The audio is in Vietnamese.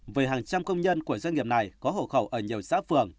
với hàng trăm công nhân của doanh nghiệp này có hộ khẩu ở nhiều xã phường